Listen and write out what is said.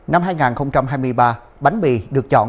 năm hai nghìn hai mươi ba bánh mì được chọn